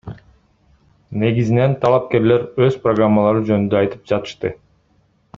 Негизинен талапкерлер өз программалары жөнүндө айтып жатышты.